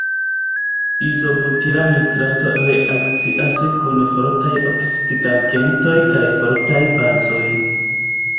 Izobutila nitrato reakcias kun fortaj oksidigagentoj kaj fortaj bazoj.